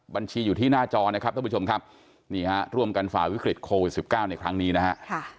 บัญชีอยู่ที่หน้าจอนะครับท่านผู้ชมครับนี่ฮะร่วมกันฝ่าวิกฤตโควิด๑๙ในครั้งนี้นะฮะ